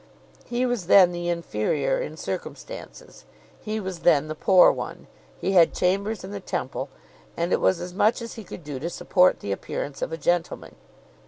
He was then the inferior in circumstances; he was then the poor one; he had chambers in the Temple, and it was as much as he could do to support the appearance of a gentleman.